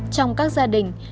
trong các gia đình